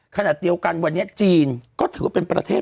ขณะเดียวกันวันนี้จีนก็ถือว่าเป็นประเทศ